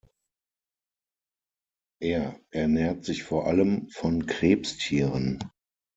Er ernährt sich vor allem von Krebstieren.